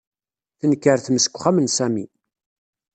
Tenker tmes deg uxxam n Sami.